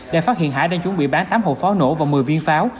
để phát hiện hải đang chuẩn bị bán tám hộp pháo nổ và một mươi viên pháo